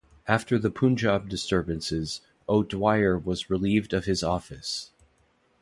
After the Punjab disturbances, O'Dwyer was relieved of his office.